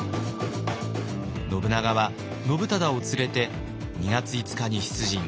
信長は信忠を連れて２月５日に出陣。